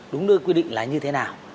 đúng nơi quy định là như thế nào